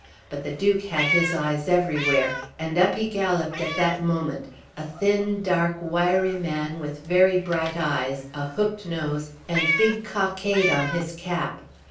But the Duke had his eyes everywhere, and up he galloped at that moment a thin, dark, wiry man with very bright eyes, a hooked nose, and big cockade on his cap.